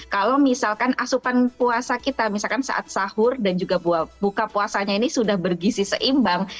kalau misalkan asupan puasa kita misalkan saat sahur dan juga buka puasanya ini sudah bergizi seimbang